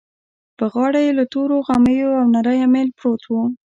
په غاړه يې له تورو غميو يو نری اميل پروت و.